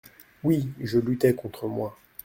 Oui, je luttai contre moi.